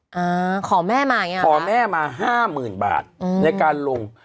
อ่าขอแม่มาอย่างเงี้ขอแม่มาห้าหมื่นบาทอืมในการลง